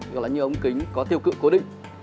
gọi là những ống kính có tiêu cựu cố định